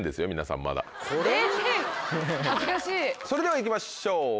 それでは行きましょう。